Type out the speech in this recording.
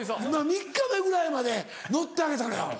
３日目ぐらいまで乗ってあげたのよ。